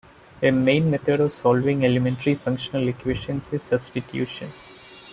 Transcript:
A main method of solving elementary functional equations is substitution.